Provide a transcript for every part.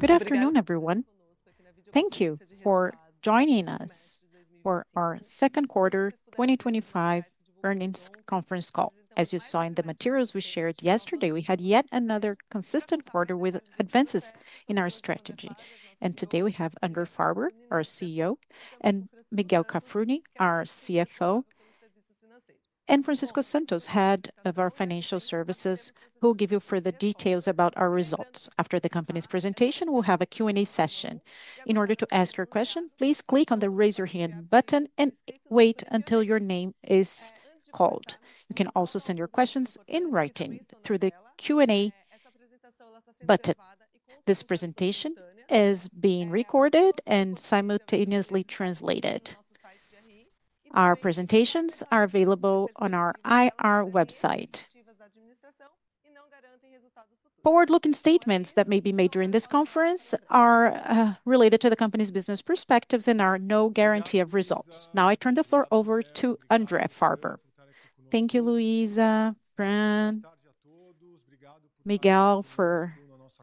Good afternoon everyone. Thank you for joining us for our Second Quarter 2025 Earnings Conference Call. As you saw in the materials we shared yesterday, we had yet another consistent quarter with advances in our strategy. Today we have André Farber, our CEO, and Miguel Cafruni, our CFO, and Francisco Santos, Head of Financial Services, who will give you further details about our results. After the company's presentation, we'll have a Q&A session. In order to ask your question, please click on the raise your hand button and wait until your name is called. You can also send your questions in writing through the Q&A button. This presentation is being recorded and simultaneously translated. Our presentations are available on our IR website. Forward-looking statements that may be made during this conference are related to the company's business perspectives and are no guarantee of results. Now I turn the floor over to André Farber. Thank you, Louisa, Fran, Miguel for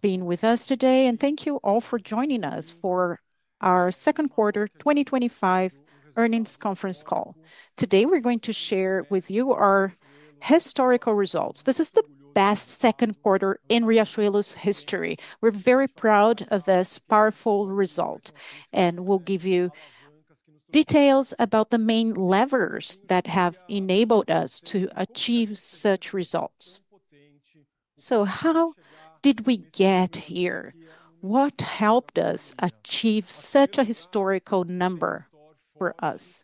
being with us today and thank you all for joining us for our second quarter 2025 earnings conference call. Today we're going to share with you our historical results. This is the best second quarter in Riachuelo's history. We're very proud of this powerful result and we'll give you details about the main levers that have enabled us to achieve such results. How did we get here? What helped us achieve such a historical number for us?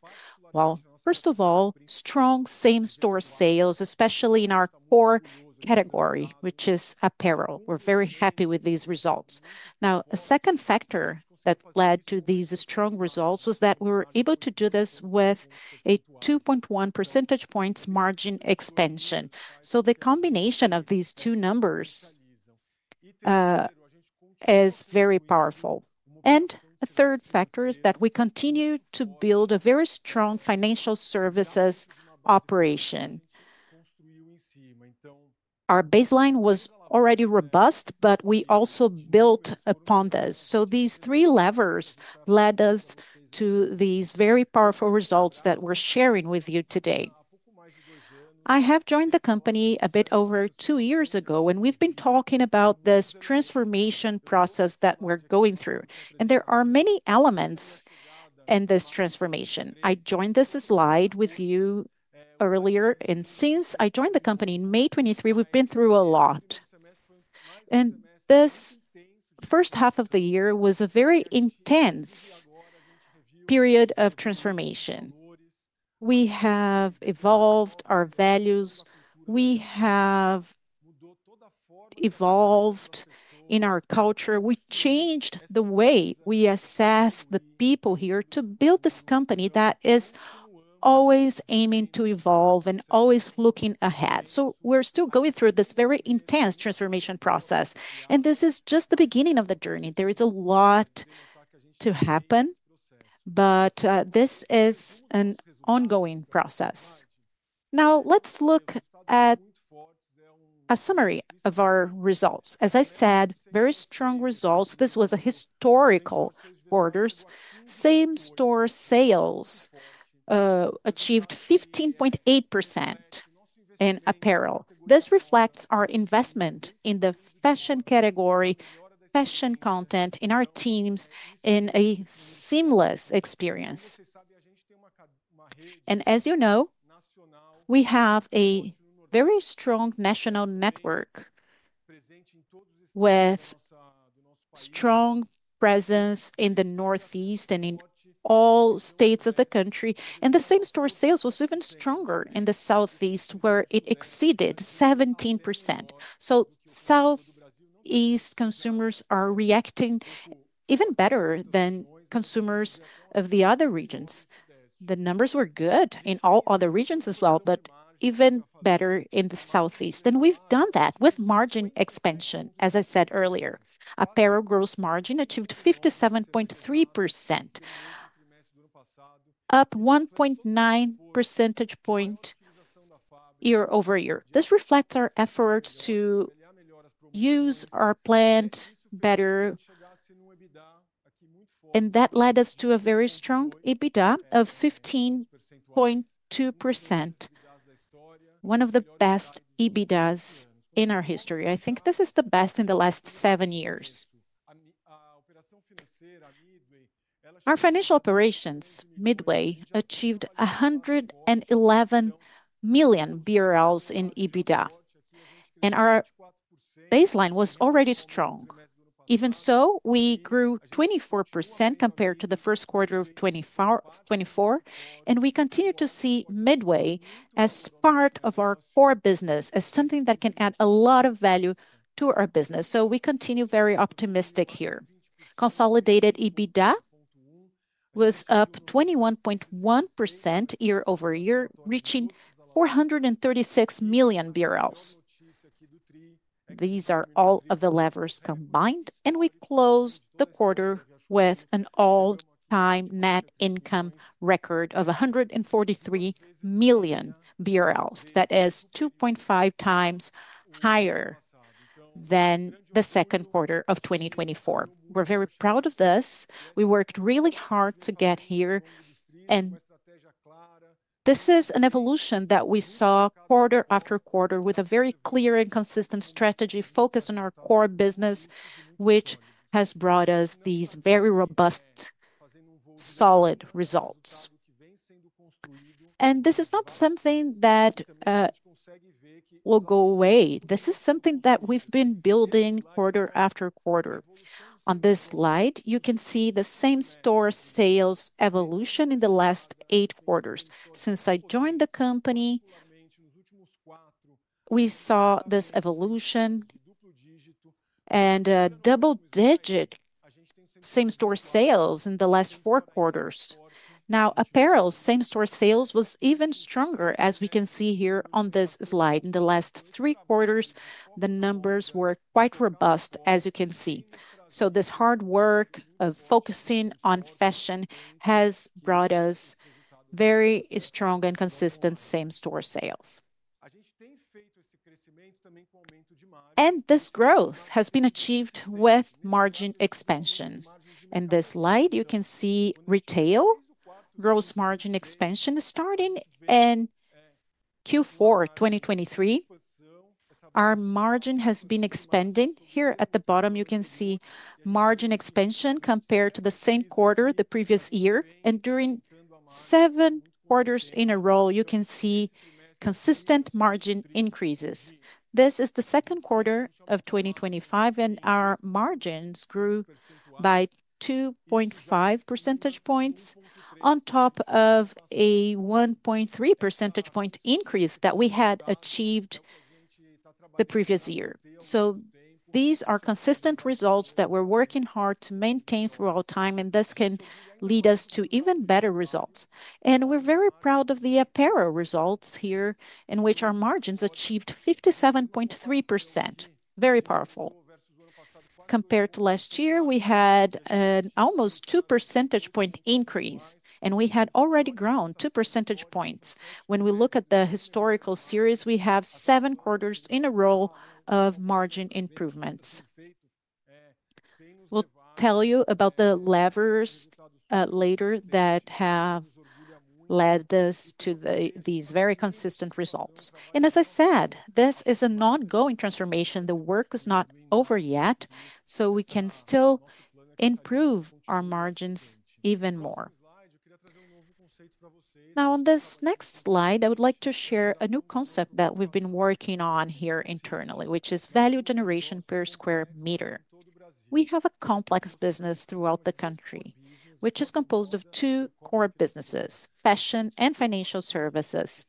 First of all, strong same-store sales, especially in our core category, which is apparel. We're very happy with these results. A second factor that led to these strong results was that we were able to do this with a 2.1% margin expansion. The combination of these two numbers is very powerful. A third factor is that we continue to build a very strong financial services operation. Our baseline was already robust, but we also built upon this. These three levers led us to these very powerful results that we're sharing with you today. I have joined the company a bit over two years ago and we've been talking about this transformation process that we're going through and there are many elements in this transformation. I joined this slide with you earlier and since I joined the company in May 2023, we've been through a lot and this first half of the year was a very intense period of transformation. We have evolved our values, we have evolved in our culture. We changed the way we assess the people here to build this company that is always aiming to evolve and always looking ahead. We're still going through this very intense transformation process and this is just the beginning of the journey. There is a lot to happen. This is an ongoing process. Now let's look at a summary of our results. As I said, very strong results. This was a historical order. Same-store sales achieved 15.8% in apparel. This reflects our investment in the fashion category, fashion content in our teams, and a seamless experience. As you know, we have a very strong national network with strong presence in the Northeast and in all states of the country. The same-store sales was even stronger in the Southeast where it exceeded 17%. Southeast consumers are reacting even better than consumers of the other regions. The numbers were good in all other regions as well, even better in the Southeast. We've done that with margin expansion. As I said earlier, apparel gross margin achieved 57.3%, up 1.9 percentage points year-over-year. This reflects our efforts to use our plant better. That led us to a very strong EBITDA of 15.2%, one of the best EBITDAs in our history. I think this is the best in the last seven years. Our financial operations, Midway achieved 111 million BRL in EBITDA and our baseline was already strong. Even so, we grew 24% compared to the first quarter of 2024. We continue to see Midway as part of our core business as something that can add a lot of value to our business. We continue very optimistic here. Consolidated EBITDA was up 21.1% year-over-year, reaching 436 million BRL. These are all of the levers combined. We closed the quarter with an all-time net income record of 143 million BRL. That is 2.5x higher than the second quarter of 2024. We're very proud of this. We worked really hard to get here. This is an evolution that we saw quarter after quarter with a very clear and consistent strategy focused on our core business, which has brought us these very robust, solid results. This is not something that will go away. This is something that we've been building quarter after quarter. On this slide, you can see the same-store sales evolution in the last eight quarters since I joined the company. We saw this evolution and double-digit same-store sales in the last four quarters. Now, apparel same-store sales was even stronger as we can see here on this slide. In the last three quarters the numbers were quite robust, as you can see. This hard work of focusing on fashion has brought us very strong and consistent same-store sales and this growth has been achieved with margin expansions. In this slide, you can see retail gross margin expansion starting in Q4 2023, our margin has been expanding. Here at the bottom, you can see margin expansion compared to the same quarter the previous year. During seven quarters in a row, you can see consistent margin increases. This is the second quarter of 2025, and our margins grew by 2.5 percentage points on top of a 1.3 percentage point increase that we had achieved the previous year. These are consistent results that we're working hard to maintain throughout time. This can lead us to even better results. We're very proud of apparel results here in which our margins achieved 57.3%. Very powerful. Compared to last year, we had an almost 2 percentage point increase and we had already grown 2 percentage points. When we look at the historical series, we have seven quarters in a row of margin improvements. We'll tell you about the levers later that have led us to these very consistent results. As I said, this is an ongoing transformation. The work is not over yet, so we can still improve our margins even more. Now on this next slide, I would like to share a new concept that we've been working on here internally, which is value generation per square meter. We have a complex business throughout the country which is composed of two core businesses, Fashion and Financial Services.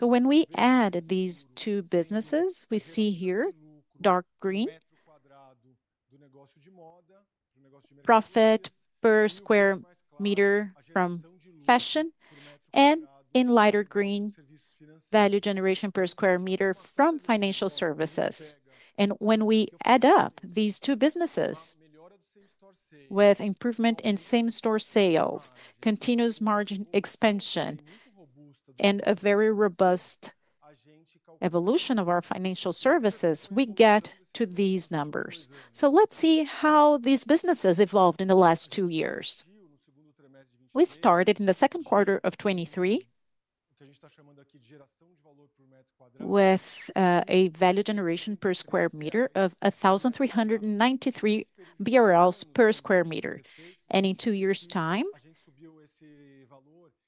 When we add these two businesses, we see here dark green profit per square meter from fashion and in lighter green, value generation per square meter from financial services. When we add up these two businesses with improvement in same-store sales, continuous margin expansion, and a very robust evolution of our financial services, we get to these numbers. Let's see how these businesses evolved in the last two years. We started in second quarter of 2023 with a value generation per square meter of 1,393 BRL per square meter. In two years' time,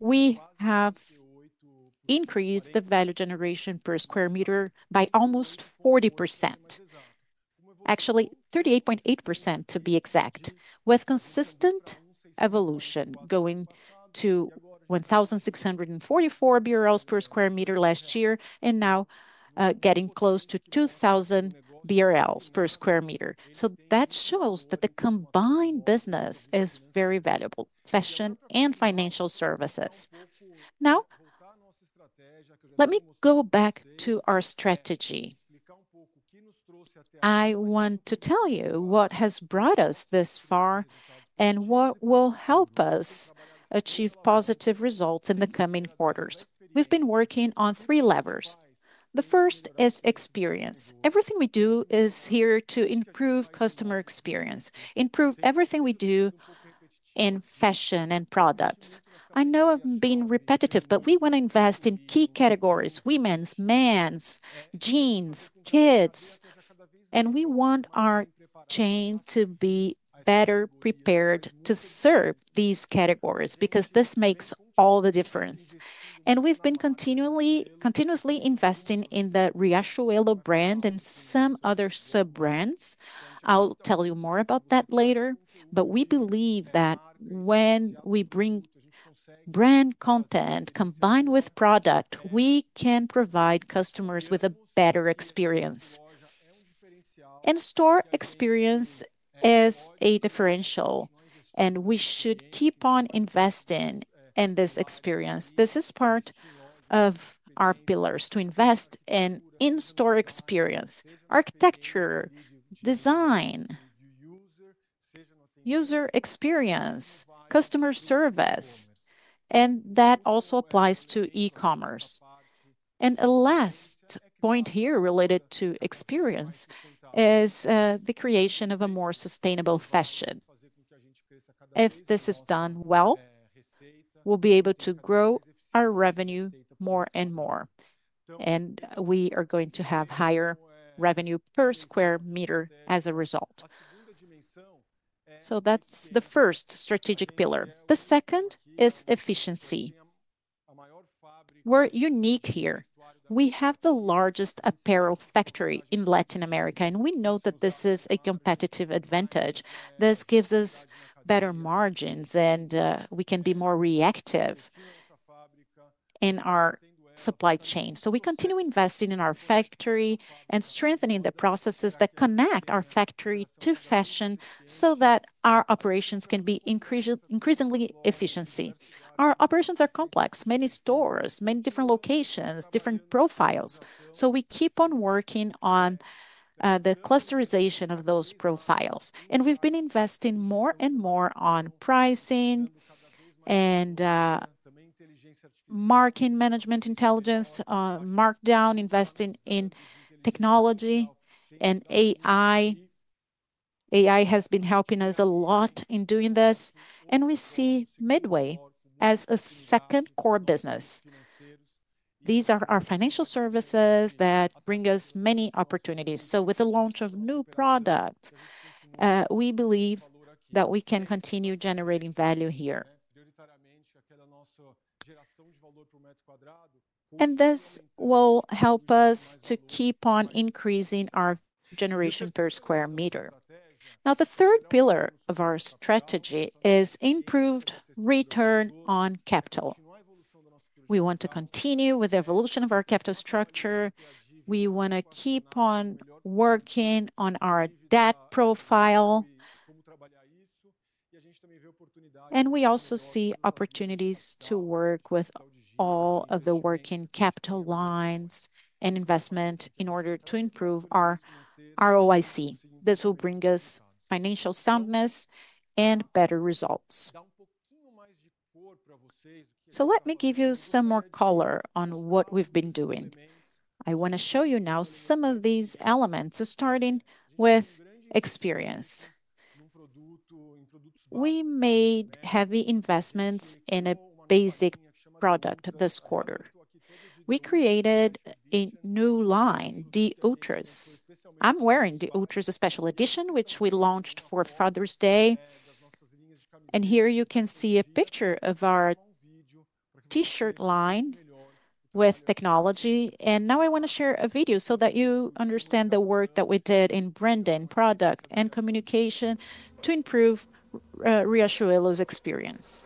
we have increased the value generation per square meter by almost 40%, actually 38.8% to be exact, with consistent evolution going to 1,644 BRL per square metre last year and now getting close to 2,000 BRL per square metre. That shows that the combined business is very valuable. Fashion and financial services. Now, let me go back to our strategy. I want to tell you what has brought us this far and what will help us achieve positive results in the coming quarters. We've been working on three levers. The first is experience. Everything we do is here to improve customer experience, improve everything we do in fashion and products. I know I'm being repetitive, but we want to invest in key categories: women's, men's jeans, kids. We want our chain to be better prepared to serve these categories because this makes all the difference. We've been continually, continuously investing in the Riachuelo brand and some other sub brands. I'll tell you more about that later. We believe that when we bring brand content combined with product, we can provide customers with a better experience. Store experience is a differential and we should keep on investing in this experience. This is part of our pillars to invest in in-store experience, architecture, design, user experience, customer service. That also applies to e-commerce. A last point here related to experience is the creation of a more sustainable fashion. If this is done well, we'll be able to grow our revenue more and more and we are going to have higher revenue per square meter as a result. That's the first strategic pillar. The second is efficiency. We're unique here. We have the largest apparel factory in Latin America and we know that this is a competitive advantage. This gives us better margins and we can be more reactive in our supply chain. We continue investing in our factory and strengthening the processes that connect our factory to fashion so that our operations can be increased, increasingly efficiency. Our operations are complex. Many stores, many different locations, different profiles. We keep on working on the clusterization of those profiles. We've been investing more and more on pricing and marking, management, intelligence, markdown, investing in technology and AI. AI has been helping us a lot in doing this. We see Midway as a second core business. These are our financial services that bring us many opportunities. With the launch of new products, we believe that we can continue generating value here. This will help us to keep on increasing our generation per square meter. Now the third pillar of our strategy is improved return on capital. We want to continue with evolution of our capital structure. We want to keep on working on our debt profile. We also see opportunities to work with all of the working capital lines and investment in order to improve our ROIC. This will bring us financial soundness and better results. Let me give you some more color on what we've been doing. I want to show you now some of these elements, starting with experience. We made heavy investments in a basic product. This quarter we created a new line, D-Ultras. I'm wearing D-Ultras special edition, which we launched for Father's Day. Here you can see a picture of our T-shirt line with technology. I want to share a video so that you understand the work that we did in branding, product, and communication to improve Riachuelo's experience.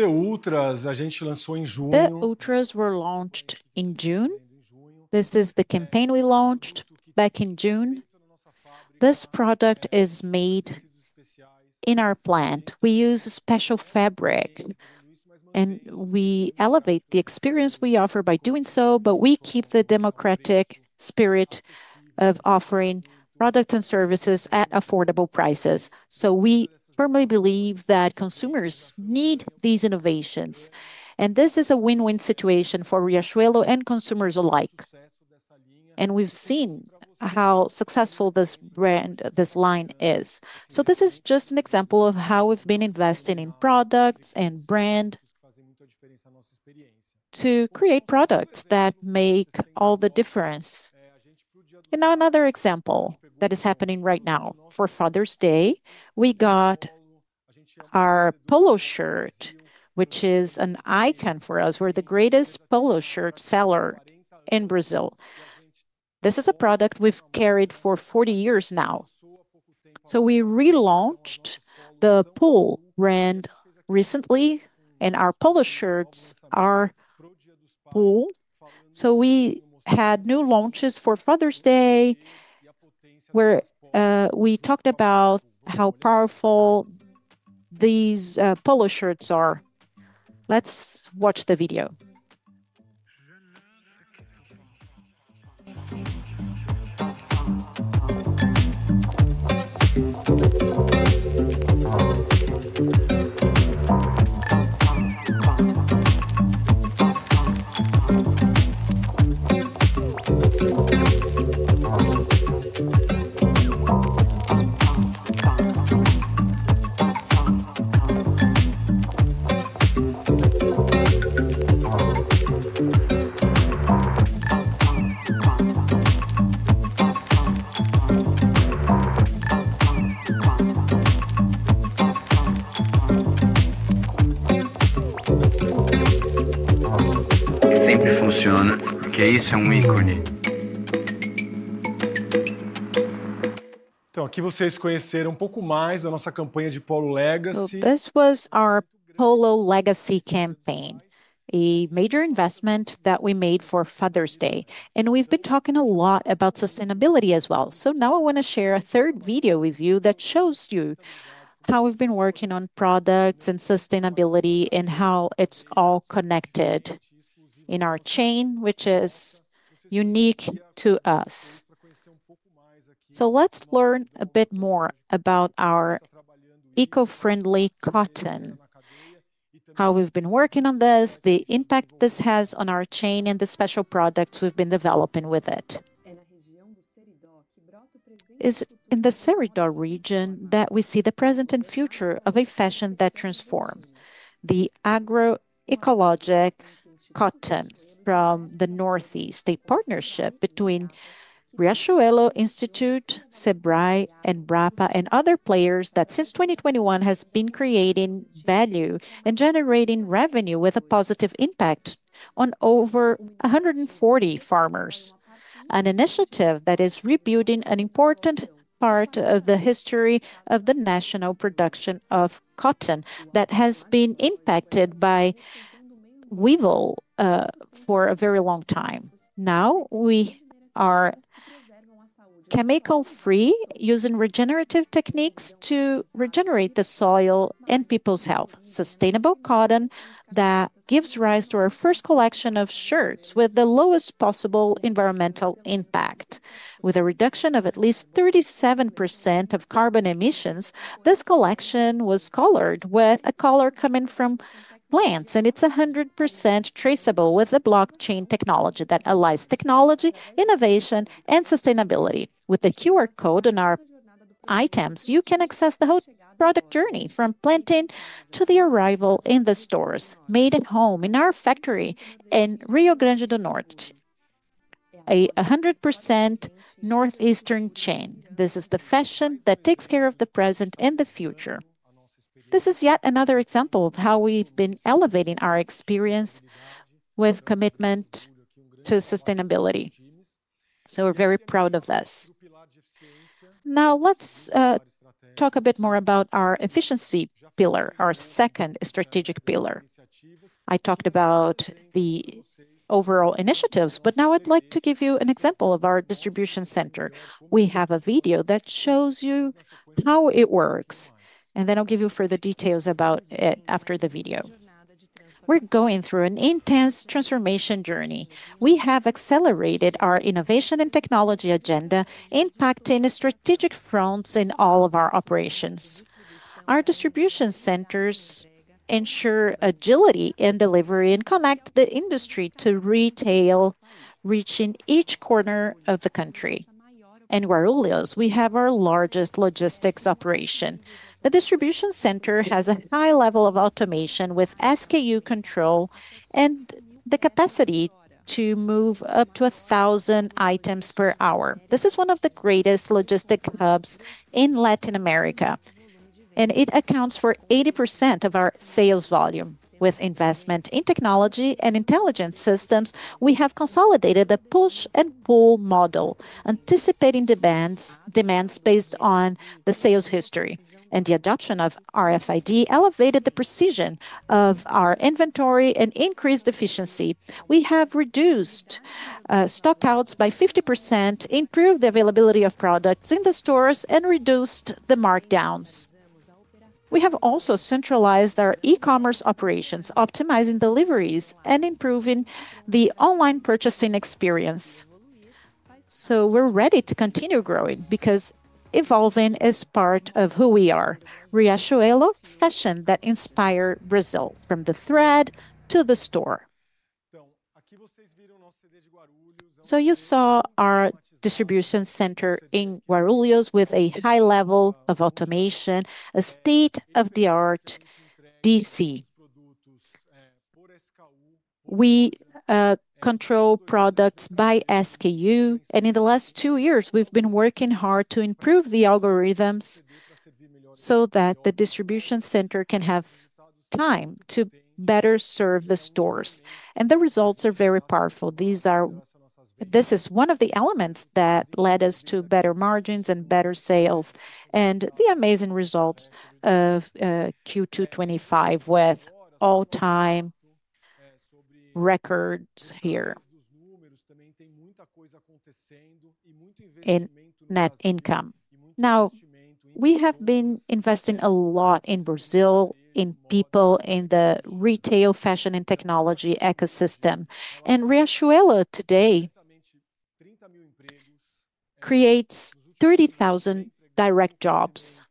The Ultras were launched in June. This is the campaign we launched back in June. This product is made in our plant. We use special fabric, and we elevate the experience we offer by doing so. We keep the democratic spirit of offering products and services at affordable prices. We firmly believe that consumers need these innovations. This is a win-win situation for Riachuelo and consumers alike. We've seen how successful this brand, this line is. This is just an example of how we've been investing in products and brand to create products that make all the difference. Another example that is happening right now for Father's Day, we got our polo shirt, which is an icon for us. We're the greatest polo shirt seller in Brazil. This is a product we've carried for 40 years now. We relaunched the Pool brand recently, and our polo shirts are. We had new launches for Father's Day where we talked about how powerful these polo shirts are. Let's watch the video. This was our Polo Legacy campaign, a major investment that we made for Father's Day, and we've been talking a lot about sustainability as well. I want to share a third video with you that shows you how we've been working on products and sustainability and how it's all connected in our chain, which is unique to us. Let's learn a bit more about our eco-friendly cotton, how we've been working on this, the impact this has on our chain, and the special products we've been developing with it. It is in the Cerridor region that we see the present and future of a fashion that transforms the agro. Ecologic cotton from the Northeast. A partnership between Instituto Riachuelo, Sebrae, Embrapa, and other players that since 2021 has been creating value and generating revenue with a positive impact on over 140 farmers. An initiative that is rebuilding an important part of the history of the national production of cotton that has been impacted by weevil for a very long time. Now we are chemical free, using regenerative techniques to regenerate the soil and people's health. Sustainable cotton that gives rise to our first collection of shirts with the lowest possible environmental impact, with a reduction of at least 37% of carbon emissions. This collection was colored with a color coming from plants and it's 100% traceable with blockchain technology that allies technology, innovation, and sustainability. With the QR code and our items, you can access the whole product journey from planting to the arrival in the stores. Made at home in our factory in Rio Grande do Norte, a 100% Northeastern chain. This is the fashion that takes care of the present and the future. This is yet another example of how we've been elevating our experience with commitment to sustainability. We're very proud of this. Now let's talk a bit more about our efficiency pillar, our second strategic pillar. I talked about the overall initiatives, but now I'd like to give you an example of our distribution center. We have a video that shows you how it works and then I'll give you further details about it after the video. We're going through an intense transformation journey. We have accelerated our innovation and technology agenda, impacting strategic fronts in all of our operations. Our distribution centers ensure agility in delivery and connect the industry to retail, reaching each corner of the country. In Guarulhos, we have our largest logistics operation. The distribution center has a high level of automation with SKU control and the capacity to move up to 1,000 items per hour. This is one of the greatest logistic hubs in Latin America and it accounts for 80% of our sales volume. With investment in technology and intelligence systems, we have consolidated the push and pull model, anticipating demands based on the sales history. The adoption of RFID elevated the precision of our inventory and increased efficiency. We have reduced stock outs by 50%, improved the availability of products in the stores, and reduced the markdowns. We have also centralized our e-commerce operations, optimizing deliveries and improving the online purchasing experience. We're ready to continue growing because evolving is part of who we are. Riachuelo fashion that inspire Brazil from the thread to the store. You saw our distribution center in Guarulhos with a high level of automation, a state-of-the-art DC. We control products by SKU, and in the last two years we've been working hard to improve the algorithms so that the distribution center can have time to better serve the stores. The results are very powerful. This is one of the elements that led us to better margins and better sales, and the amazing results of Q2 2025 with all-time records here in net income. We have been investing a lot in Brazil, in people, in the retail, fashion, and technology ecosystem. Riachuelo today creates 30,000 direct jobs.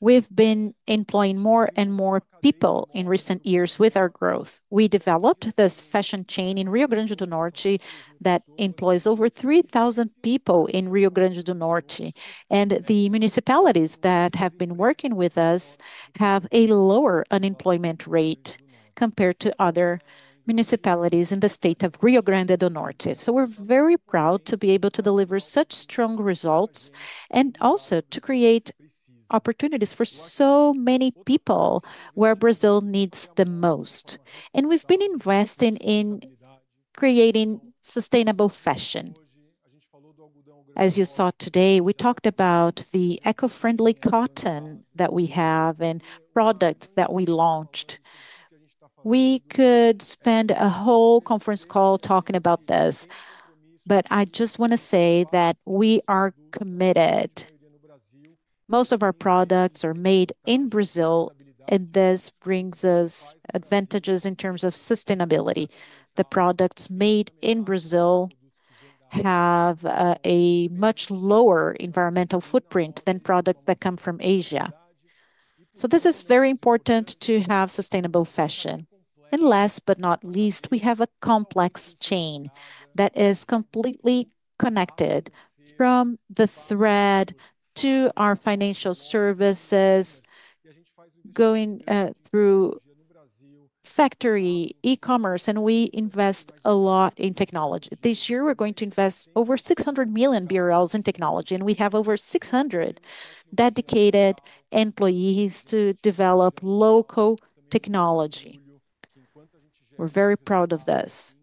We've been employing more and more people in recent years. With our growth, we developed this fashion chain in Rio Grande do Norte that employs over 3,000 people in Rio Grande do Norte. The municipalities that have been working with us have a lower unemployment rate compared to other municipalities in the state of Rio Grande do Norte. We're very proud to be able to deliver such strong results and also to create opportunities for so many people where Brazil needs the most. We've been investing in creating sustainable fashion, as you saw today. We talked about the eco-friendly cotton that we have and products that we launched. We could spend a whole conference call talking about this, but I just want to say that we are committed. Most of our products are made in Brazil, and this brings us advantages in terms of sustainability. The products made in Brazil have a much lower environmental footprint than products that come from Asia. This is very important to have sustainable fashion. Last but not least, we have a complex chain that is completely connected from the thread to our financial services, going through factory e-commerce. We invest a lot in technology. This year we're going to invest over 600 million BRL in technology, and we have over 600 dedicated employees to develop local technology. We're very proud of this.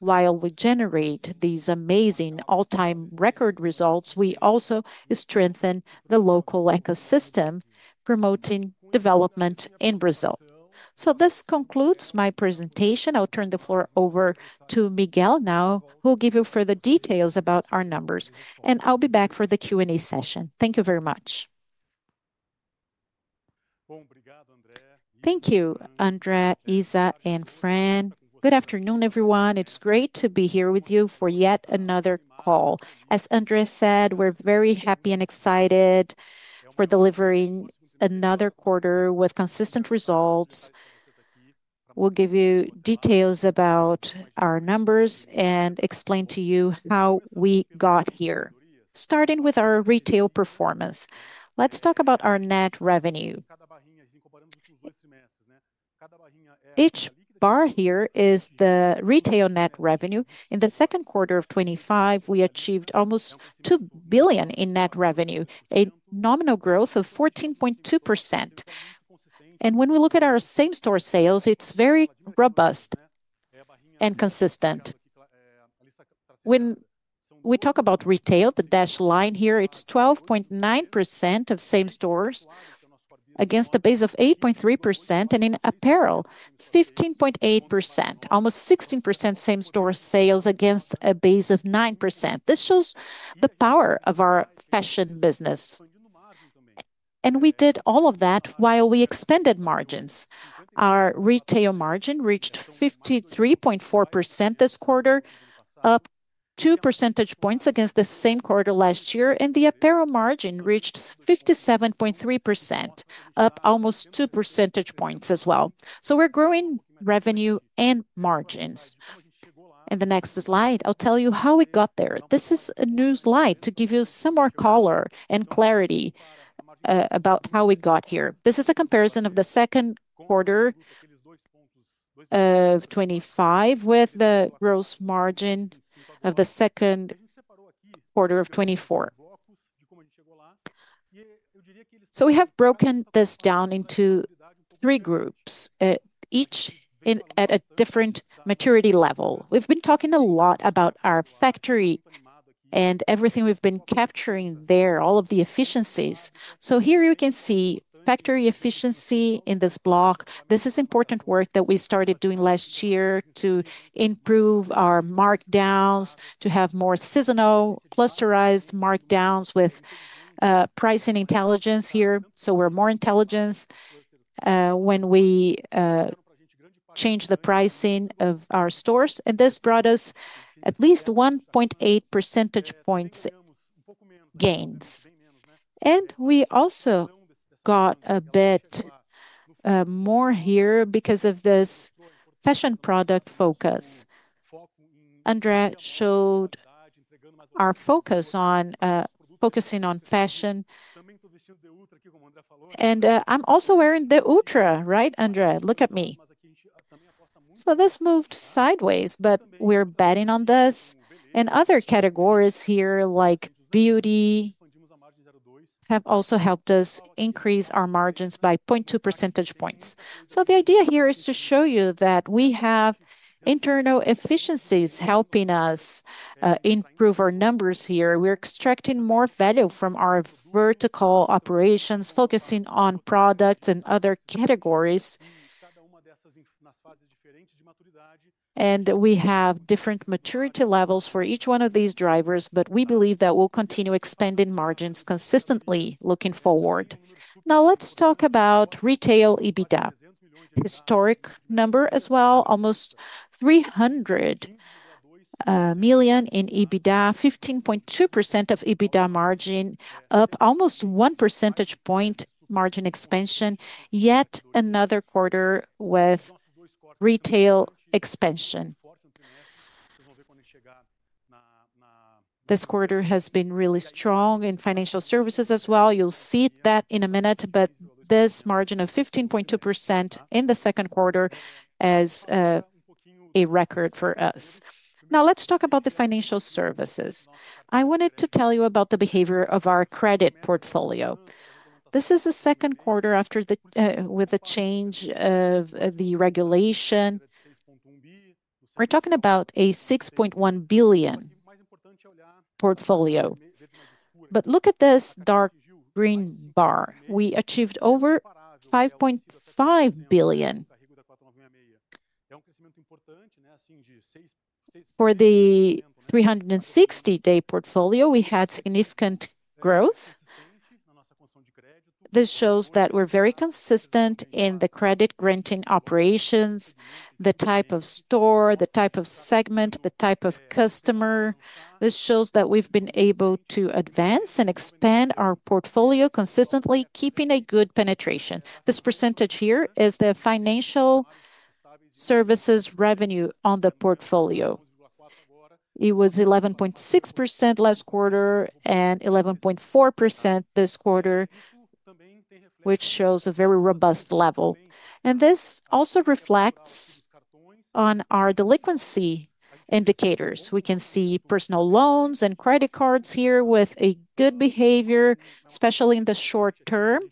While we generate these amazing all-time record results, we also strengthen the local ecosystem, promoting development in Brazil. This concludes my presentation. I'll turn the floor over to Miguel now who will give you further details about our numbers. I'll be back for the Q&A session. Thank you very much. Thank you. André, Isa, and Fran. Good afternoon, everyone. It's great to be here with you for yet another call. As André said, we're very happy and excited for delivering another quarter with consistent results. We'll give you details about our numbers and explain to you how we got here. Starting with our retail performance, let's talk about our net revenue. Each bar here is the retail net revenue. In second quarter of 2025, we achieved almost 2 billion in net revenue, a nominal growth of 14.2%. When we look at our same-store sales, it's very robust and consistent. When we talk about retail, the dash line here, it's 12.9% of same-store sales against the base of 8.3%. In apparel, 15.8%, almost 16%, same-store sales against a base of 9%. This shows the power of our fashion business. We did all of that while we expanded margins. Our retail margin reached 53.4% this quarter, up 2 percentage points against the same quarter last year. The apparel margin reached 57.3%, up almost 2 percentage points as well. We're growing revenue and margins. In the next slide, I'll tell you how we got there. This is a new slide to give you some more color and clarity about how we got here. This is a comparison of second quarter of 2025 with the gross margin of second quarter of 2024. We have broken this down into 3 groups, each at a different maturity level. We've been talking a lot about our factory and everything we've been capturing there, all of the efficiencies. Here you can see factory efficiency in this block. This is important work that we started doing last year to improve our markdowns, to have more seasonal clusterized markdowns with pricing intelligence here. We're more intelligent when we change the pricing of our stores. This brought us at least 1.8 percentage points gains. We also got a bit more here because of this fashion product focus. André showed our focus on focusing on fashion. I'm also wearing D-Ultra, right? André, look at me. This moved sideways, but we're betting on this. Other categories here, like beauty, have also helped us increase our margins by 0.2 percentage points. The idea here is to show you that we have internal efficiencies helping us improve our numbers. Here we're extracting more value from our vertical operations, focusing on products and other categories. We have different maturity levels for each one of these drivers. We believe that we'll continue expanding margins consistently looking forward. Now let's talk about retail. EBITDA historic number as well. Almost 300 million in EBITDA, 15.2% of EBITDA margin, up almost 1 percentage point. Margin expansion. Yet another quarter with retail expansion. This quarter has been really strong in financial services as well. You'll see that in a minute. This margin of 15.2% in the second quarter is a record for us. Now let's talk about the financial services. I wanted to tell you about the behavior of our credit portfolio. This is the second quarter after the change of the regulation. We're talking about a 6.1 billion portfolio. Look at this dark green bar. We achieved over 5.5 billion for the 360-day portfolio. We had significant growth. This shows that we're very consistent in the credit granting operations, the type of store, the type of segment, the type of customer. This shows that we've been able to advance and expand our portfolio consistently, keeping a good penetration. This percentage here is the financial services revenue on the portfolio. It was 11.6% last quarter and 11.4% this quarter, which shows a very robust level. This also reflects on our delinquency indicators. We can see personal loans and credit cards here with a good behavior, especially in the short term,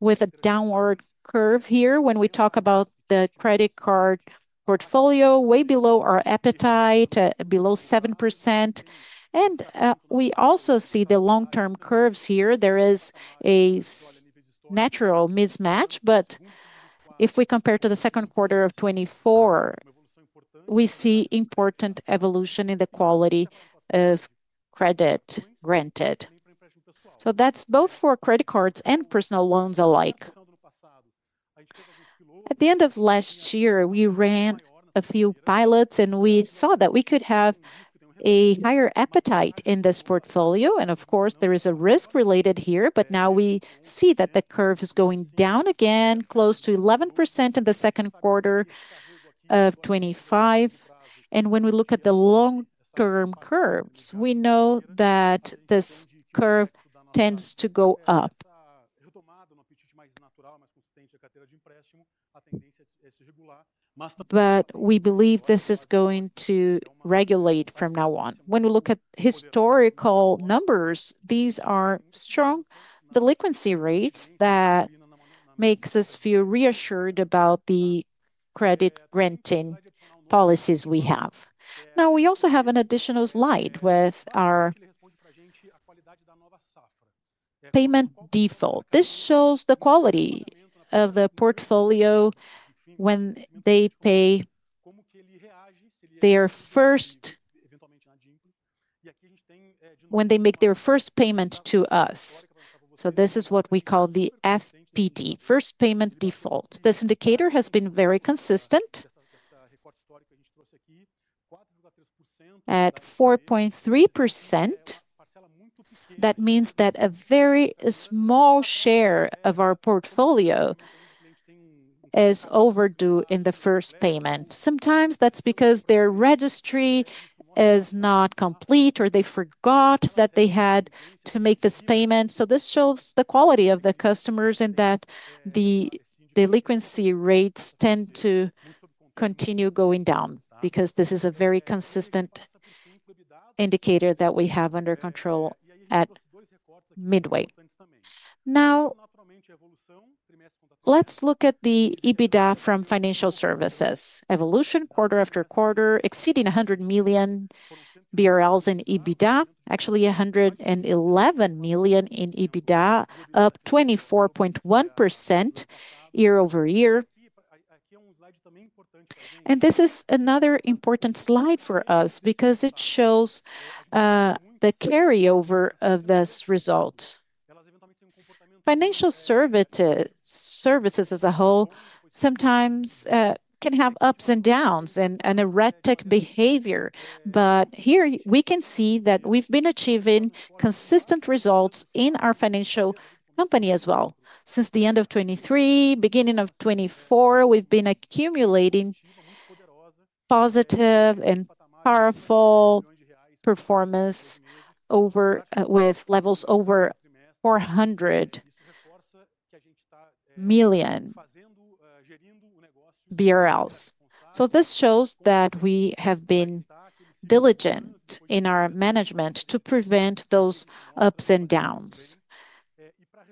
with a downward curve here. When we talk about the credit card portfolio, way below our appetite, below 7%. We also see the long-term curves here. There is a natural mismatch. If we compare to the second quarter of 2024, we see important evolution in the quality of credit granted. That's both for credit cards and personal loans alike. At the end of last year we ran a few pilots and we saw that we could have a higher appetite in this portfolio. Of course there is a risk related here. Now we see that the curve is going down again, close to 11% in second quarter of 2025. When we look at the long-term curves, we know that this curve tends to go up. We believe this is going to regulate from now on. When we look at historical numbers, these are strong delinquency rates. That makes us feel reassured about the credit granting policies we have. We also have an additional slide with our payment default. This shows the quality of the portfolio when they make their first payment to us. This is what we call the FPD, first payment default. This indicator has been very consistent at 4.3%. That means that a very small share of our portfolio is overdue in the first payment. Sometimes that's because their registry is not complete or they forgot that they had to make this payment. This shows the quality of the customers and that the delinquency rates tend to continue going down because this is a very consistent indicator that we have under control at Midway. Now let's look at the EBITDA from Financial Services evolution. Quarter-after-quarter exceeding 100 million BRL in EBITDA. Actually, 111 million in EBITDA, up 24.1% year-over-year. This is another important slide for us because it shows the carryover of this result. Financial services as a whole sometimes can have ups and downs and erratic behavior. Here we can see that we've been achieving consistent results in our financial company as well. Since the end of 2023, beginning of 2024, we've been accumulating positive and powerful performance with levels over 400 million BRL. This shows that we have been diligent in our management to prevent those ups and downs.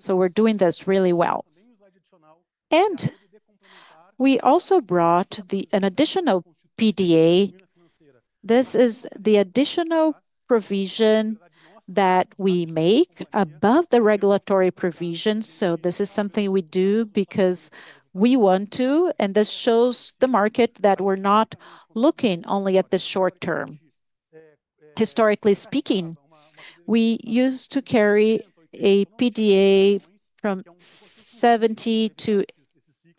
We're doing this really well. We also brought an additional PDA. This is the additional provision that we make above the regulatory provision. This is something we do because we want to. This shows the market that we're not looking only at the short term. Historically speaking, we used to carry a PDA from 70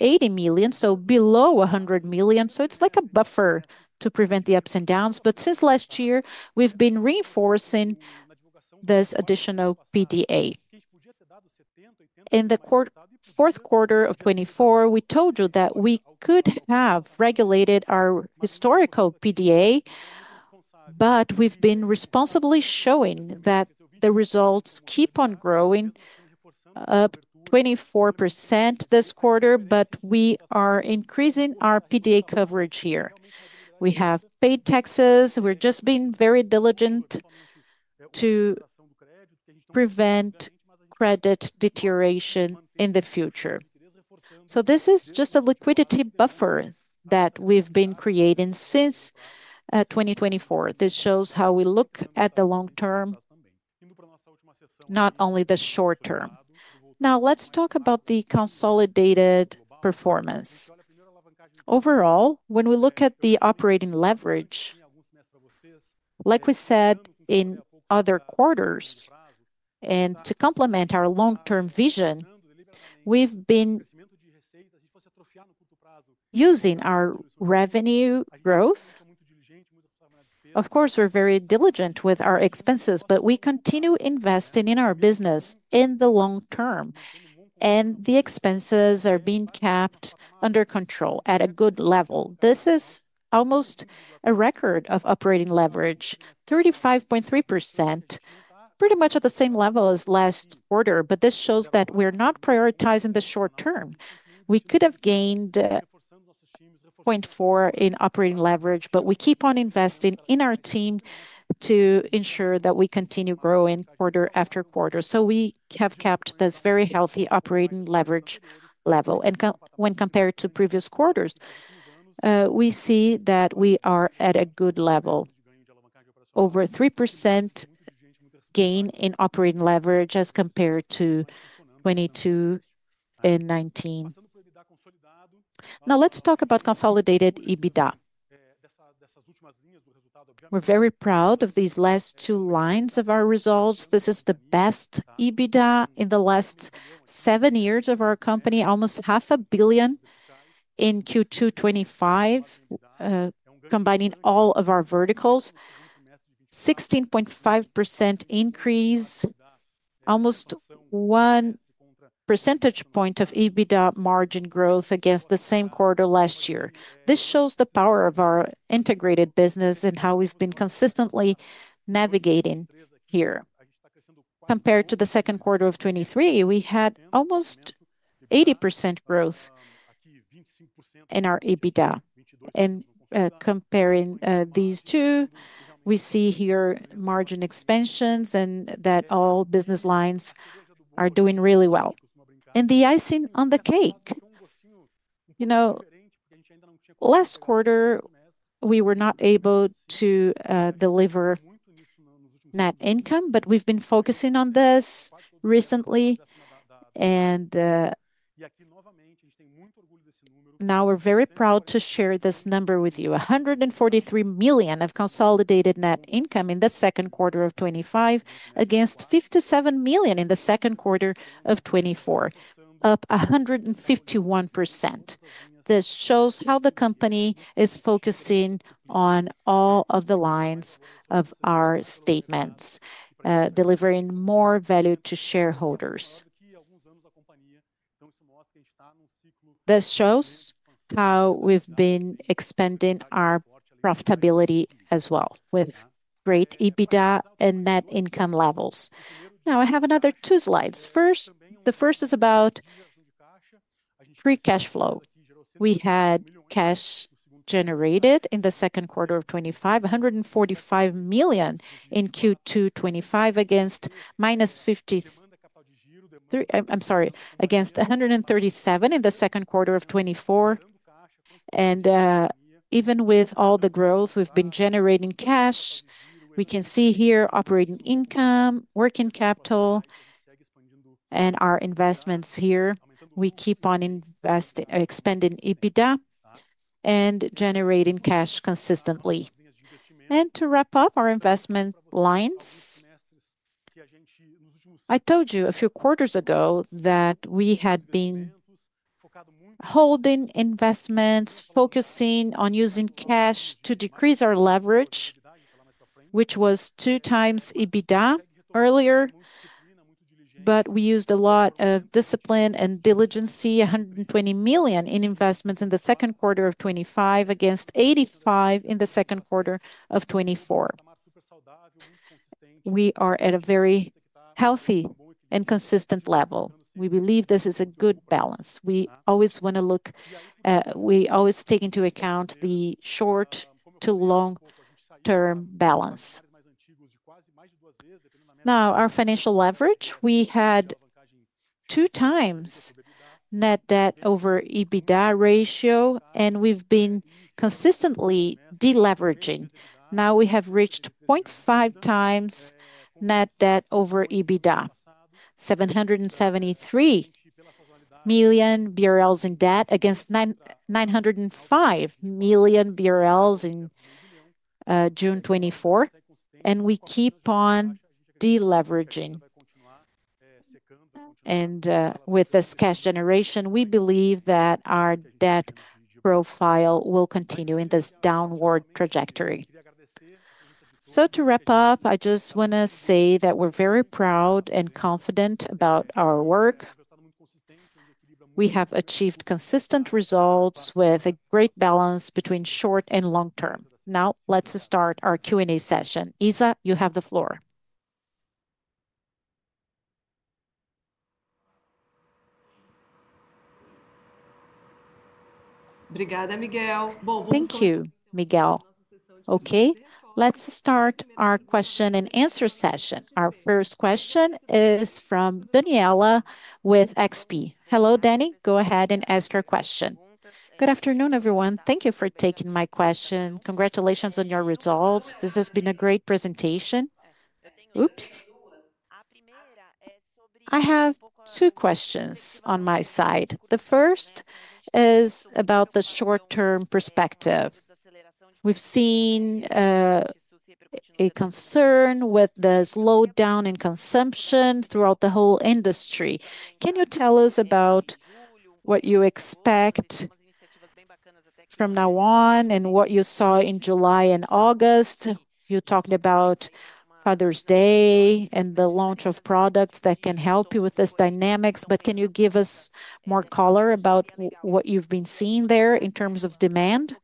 million-80 million, so below 100 million. It's like a buffer to prevent the ups and downs. Since last year, we've been reinforcing this additional PDA. In fourth quarter of 2024, we told you that we could have regulated our historical PDA. We've been responsibly showing that the results keep on growing, up 24% this quarter. We are increasing our PDA coverage here. We have paid taxes. We're just being very diligent to prevent credit deterioration in the future. This is just a liquidity buffer that we've been creating since 2024. This shows how we look at the long term, not only the short term. Now let's talk about the consolidated performance overall when we look at the operating leverage. Like we said in other quarters and to complement our long-term vision, we've been using our revenue growth. Of course, we're very diligent with our expenses, but we continue investing in our business in the long term and the expenses are being kept under control at a good level. This is almost a record of operating leverage: 35.3%. Pretty much at the same level as last quarter. This shows that we're not prioritizing the short term. We could have gained 0.4% in operating leverage, but we keep on investing in our team to ensure that we continue growing quarter after quarter. We have kept this very healthy operating leverage level. When compared to previous quarters, we see that we are at a good level. Over 3% gain in operating leverage as compared to 2019. Now let's talk about consolidated EBITDA. We're very proud of these last two lines of our results. This is the best EBITDA in the last seven years of our company. Almost 500 million in Q2 2025, combining all of our verticals. 16.5% increase. Almost 1 percentage point of EBITDA margin growth against the same quarter last year. This shows the power of our integrated business and how we've been consistently navigating here. Compared to second quarter of 2023, we had almost 80% growth in our EBITDA. Comparing these two, we see here margin expansions and that all business lines are doing really well. The icing on the cake, last quarter we were not able to deliver net income. We've been focusing on this recently and now we're very proud to share this number with you. 143 million of consolidated net income in second quarter of 2025 against 57 million in second quarter of 2024, up 151%. This shows how the company is focusing on all of the lines of our statements, delivering more value to shareholders. This shows how we've been expanding our profitability as well with great EBITDA and net income levels. Now I have another two slides. The first is about free cash flow. We had cash generated in second quarter of 2025, BRL 145 million in Q2 2025 against BRL 137 million in the second quarter of 2024. Even with all the growth we've been generating cash, we can see here operating income, working capital and our investments. Here we keep on investing, expanding EBITDA and generating cash consistently. To wrap up our investment lines, I told you a few quarters ago that we had been holding investments, focusing on using cash to decrease our leverage, which was 2x EBITDA earlier. We used a lot of discipline and diligency. 120 million in investments in the second quarter of 2025 against 85 million in the second quarter of 2024. We are at a very healthy and consistent level. We believe this is a good balance. We always want to look. We always take into account the short to long-term balance. Now our financial leverage. We had 2x net debt over EBITDA ratio and we've been consistently deleveraging. Now we have reached 0.5x net debt over EBITDA, 773 million BRL in debt against 905 million BRL in June 2024. We keep on deleveraging. With this cash generation, we believe that our debt profile will continue in this downward trajectory. To wrap up, I just want to say that we're very proud and confident about our work. We have achieved consistent results with a great balance between short and long term. Let's start our Q&A session. Isa, you have the floor. Thank you, Miguel. Okay, let's start our question-and answer-session. Our first question is from Daniela with XP. Hello, Danny, go ahead and ask your question. Good afternoon everyone. Thank you for taking my question. Congratulations on your results. This has been a great presentation. I have two questions on my side. The first is about the short term perspective. We've seen a concern with the slowdown in consumption throughout the whole industry. Can you tell us about what you expect from now on and what you saw in July and August? You talked about Father's Day and the launch of products that can help you with this dynamics. Can you give us more color about what you've been seeing there in terms of demand?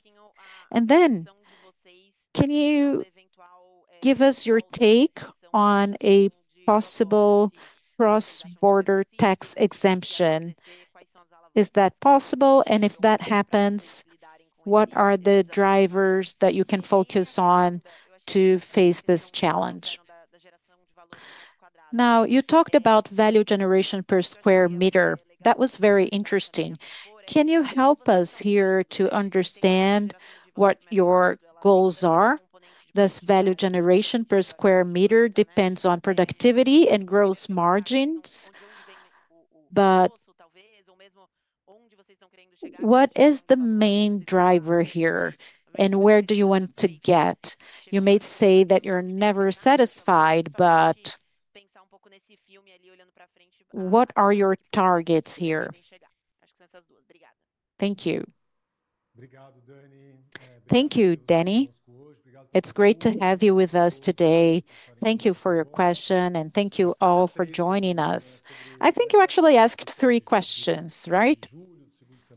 Can you give us your take on a possible cross-border tax exemption? Is that possible? If that happens, what are the drivers that you can focus on to face this challenge? You talked about value generation per square meter. That was very interesting. Can you help us here to understand what your goals are? Does value generation per square meter depends on productivity and gross margins? What is the main driver here and where do you want to get? You may say that you're never satisfied, but what are your targets here? Thank you. Thank you, Danny. It's great to have you with us today. Thank you for your question and thank you all for joining us. I think you actually asked three questions right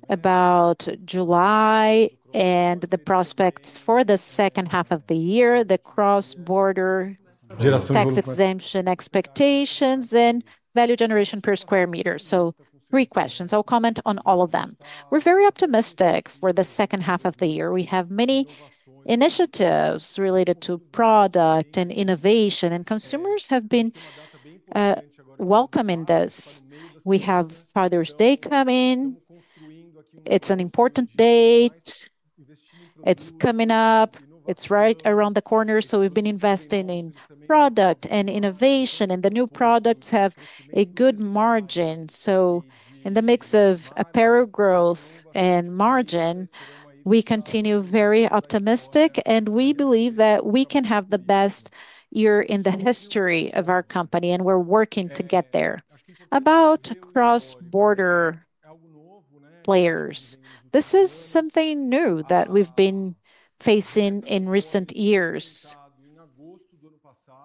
about July and the prospects for the second half of the year, the cross-border tax exemption expectations, and value generation per square meter. Three questions. I'll comment on all of them. We're very optimistic for the second half of the year. We have many initiatives related to product and innovation and consumers have been welcoming this. We have Father's Day coming. It's an important date. It's coming up. It's right around the corner. We've been investing in product and innovation and the new products have a good margin. In the mix of apparel growth and margin, we continue very optimistic and we believe that we can have the best year in the history of our company and we're working to get there. About cross-border players, this is something new that we've been facing in recent years.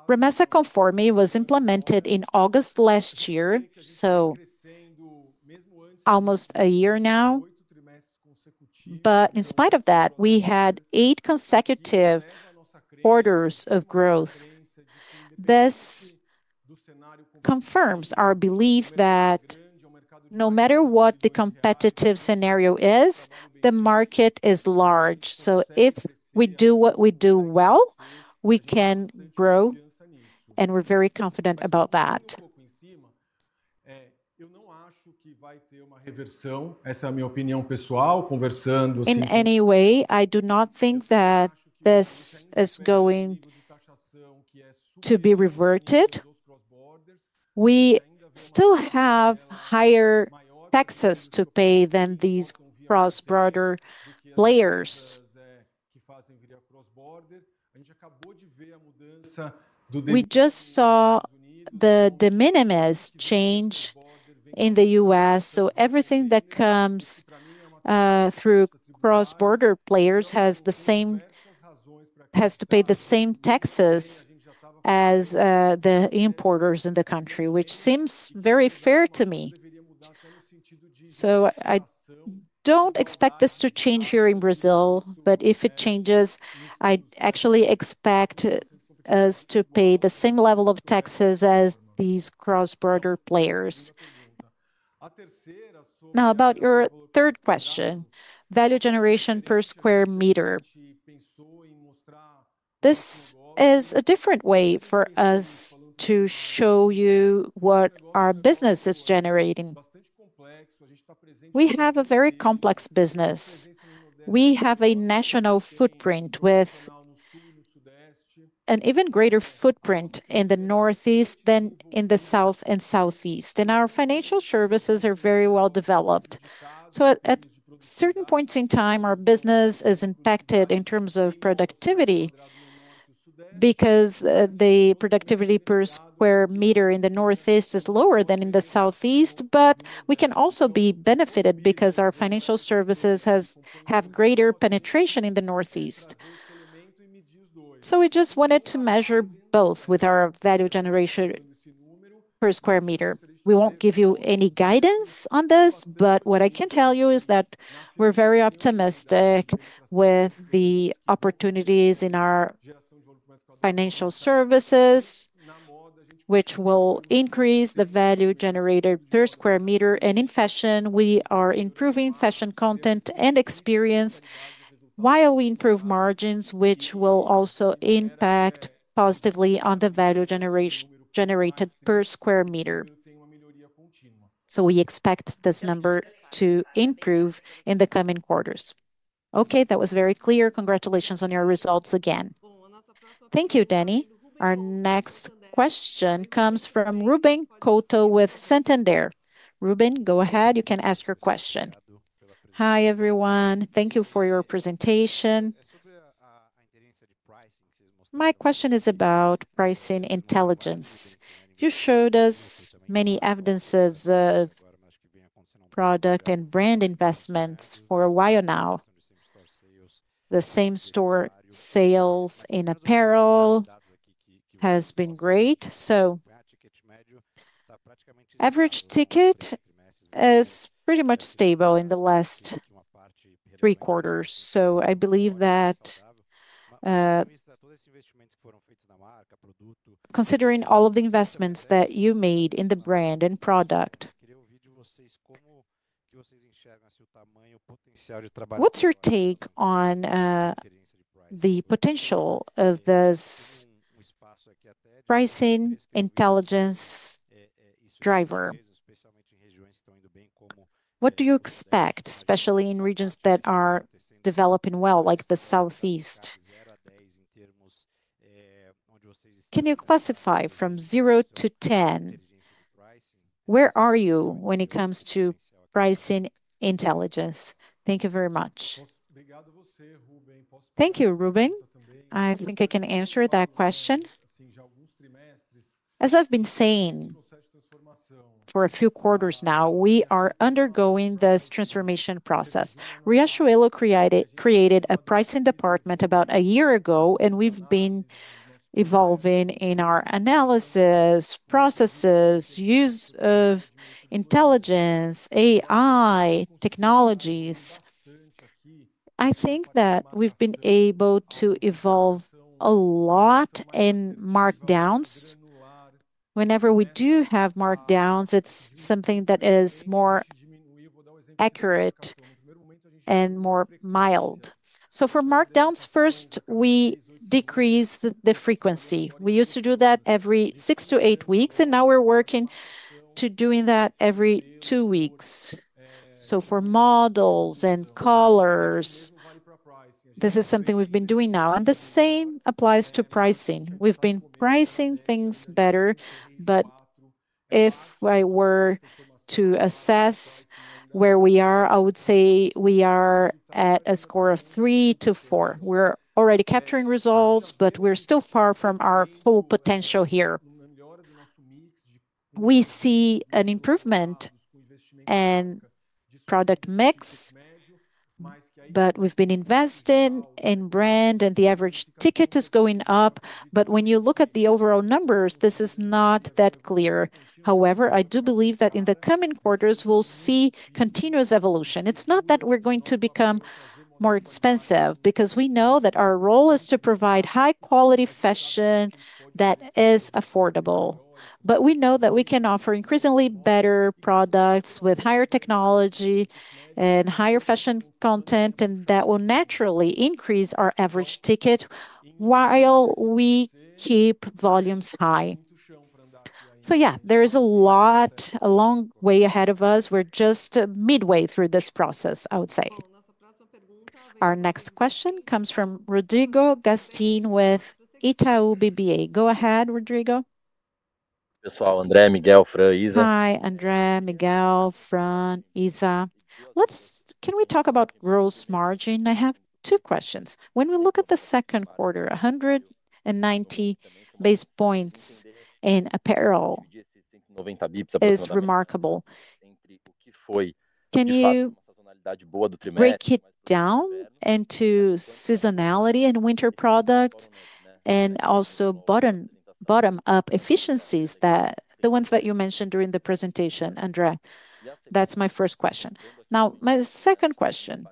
Remessa Conforme was implemented in August last year, so almost a year now. In spite of that, we had eight consecutive orders of growth. This confirms our belief that no matter what the competitive scenario is, the market is large. If we do what we do well, we can grow and we're very confident about that in any way. I do not think that this is going to be reverted. We still have higher taxes to pay than these cross-border players. We just saw the de minimis change in the U.S. Everything that comes through cross-border players has to pay the same taxes as the importers in the country, which seems very fair to me. I don't expect this to change here in Brazil, but if it changes, I actually expect us to pay the same level of taxes as these cross-border players. Now about your third question, value generation per square meter. This is a different way for us to show you what our business is generating. We have a very complex business. We have a national footprint with an even greater footprint in the Northeast than in the South and Southeast. Our financial services are very well developed. At certain points in time, our business is impacted in terms of productivity because the productivity per square meter in the Northeast is lower than in the Southeast. We can also be benefited because our financial services have greater penetration in the Northeast. We just wanted to measure both with our value generation per square meter. We won't give you any guidance on this, but what I can tell you is that we're very optimistic with the opportunities in our financial services, which will increase the value generated per square meter. In fashion, we are improving fashion content and experience while we improve margins, which will also impact positively on the value generation generated per square meter. We expect this number to improve in the coming quarters. Okay, that was very clear. Congratulations on your results again. Thank you, Danny. Our next question comes from Ruben Couto with Santander. Ruben, go ahead. You can ask your question. Hi, everyone. Thank you for your presentation. My question is about pricing intelligence. You showed us many evidences of product and brand investments. For a while now, the same-store sales in apparel has been great. Average ticket is pretty much stable in the last three quarters. I believe that considering all of the investments that you made in the brand and product, what's your take on the potential of this pricing intelligence driver? What do you expect? Especially in regions that are developing well, like the Southeast? Can you classify from 0-10? Where are you when it comes to pricing intelligence? Thank you very much. Thank you, Ruben. I think I can answer that question. As I've been saying for a few quarters now, we are undergoing this transformation process. Riachuelo created a pricing department about a year ago, and we've been evolving in our analysis processes, use of intelligence, AI technologies. I think that we've been able to evolve a lot in markdowns. Whenever we do have markdowns, it's something that is more accurate and more mild. For markdowns, first we decrease the frequency. We used to do that every six to eight weeks, and now we're working to doing that every two weeks. For models and colors, this is something we've been doing now. The same applies to pricing. We've been pricing things better, but if I were to assess where we are, I would say we are at a score of three to four. We're already capturing results, but we're still far from our full potential. Here we see an improvement and product mix, but we've been invested in brand and the average ticket is going up. When you look at the overall numbers, this is not that clear. I do believe that in the coming quarters, we'll see continuous evolution. It's not that we're going to become more expensive because we know that our role is to provide high quality fashion that is affordable. We know that we can offer increasingly better products with higher technology and higher fashion content and that will naturally increase our average ticket while we keep volumes high. There's a long way ahead of us. We're just midway through this process, I would say. Our next question comes from Rodrigo Gastim with Itaú BBA. Go ahead Rodrigo. Hi André, Miguel, Fran, Isa. Can we talk about gross margin? I have two questions. When we look at the second quarter, 190 basis points in apparel is remarkable. Can you break it down into seasonality and winter products and also bottom-up efficiencies, the ones that you mentioned during the presentation? André, that's my first question. Now my second question.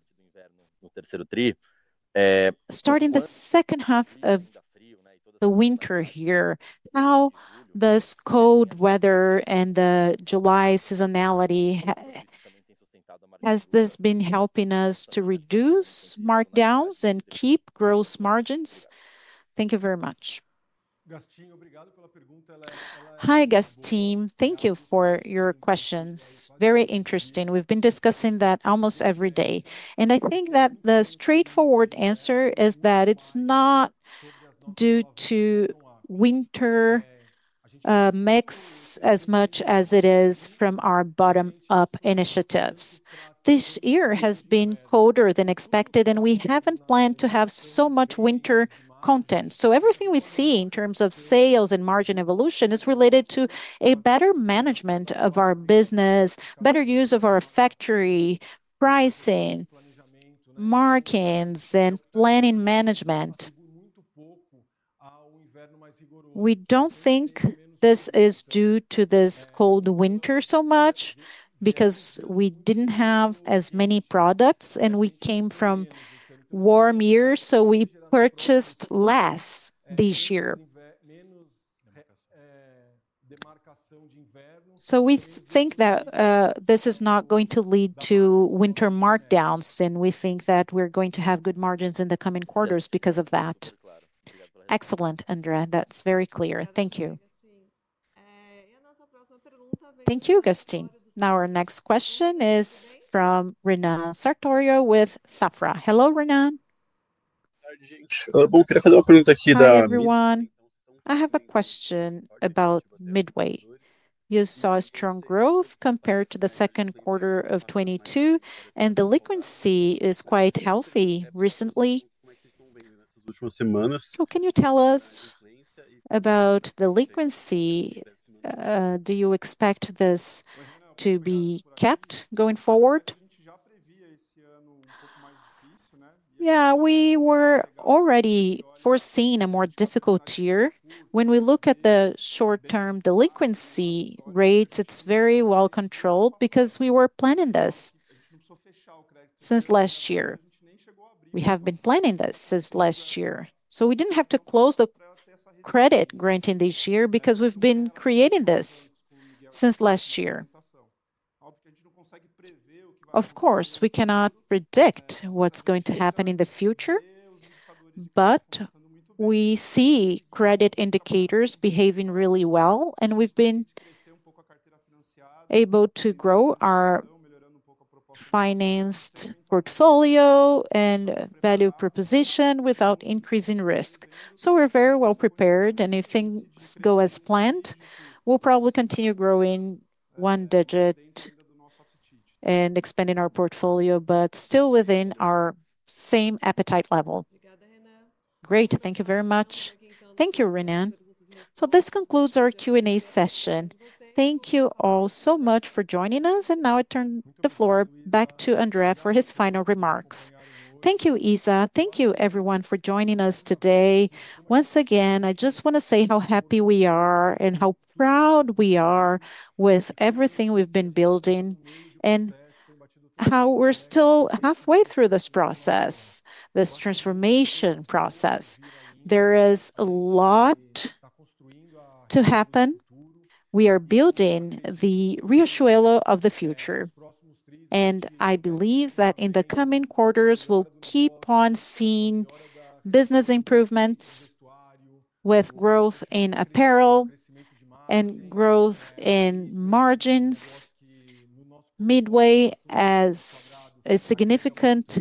Starting the second half of the winter here, how does cold weather and the July seasonality, has this been helping us to reduce markdowns and keep gross margins? Thank you very much. Hi Gastim. Thank you for your questions. Very interesting. We've been discussing that almost every day and I think that the straightforward answer is that it's not due to winter mix as much as it is from our bottom-up initiatives. This year has been colder than expected and we haven't planned to have so much winter content. Everything we see in terms of sales and margin evolution is related to a better management of our business, better use of our factory pricing markings and planning management. We don't think this is due to this cold winter so much because we didn't have as many products and we came from warm years so we purchased less this year. We think that this is not going to lead to winter markdowns and we think that we're going to have good margins in the coming quarters because of that. Excellent André. That's very clear. Thank you. Thank you, Gastim. Now our next question is from Renan Sartorio with Safra. Hello Rena. Hi everyone. I have a question about Midway. You saw strong growth compared to the second quarter of 2022 and the liquidity is quite healthy recently. Can you tell us about the delinquency? Do you expect this to be kept going forward? Yeah, we were already foreseeing a more difficult year. When we look at the short-term delinquency rates, it's very well controlled because we were planning this since last year. We have been planning this since last year so we didn't have to close the credit granting this year because we've been creating this since last year. Of course, we cannot predict what's going to happen in the future, but we see credit indicators behaving really well and we've been able to grow our financed portfolio and value proposition without increasing risk. We're very well prepared. If things go as planned, we'll probably continue growing one digit and expanding our portfolio, but still within our same appetite level. Great. Thank you very much. Thank you, Renan. This concludes our Q&A session. Thank you all so much for joining us. Now I turn the floor back to André for his final remarks. Thank you, Isa. Thank you, everyone, for joining us today. Once again, I just want to say how happy we are and how proud we are with everything we've been building and how we're still halfway through this process, this transformation process. There is a lot to happen. We are building the Riachuelo of the future. I believe that in the coming quarters we'll keep on seeing business improvements with growth in apparel and growth in margins. Midway is a significant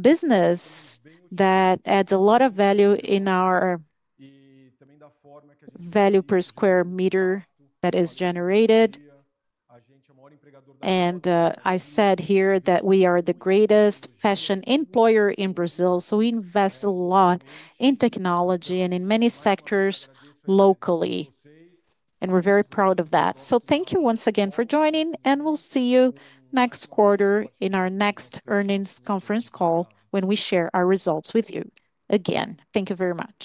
business that adds a lot of value in our value per square meter that is generated. I said here that we are the greatest fashion employer in Brazil. We invest a lot in technology and in many sectors locally, and we're very proud of that. Thank you once again for joining. We'll see you next quarter in our next earnings conference call when we share our results with you. Again, thank you very much.